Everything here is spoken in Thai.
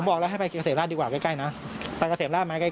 ผมบอกแล้วให้ไปเกษตรราชดีกว่าใกล้นะไปเกษตรราชไหมใกล้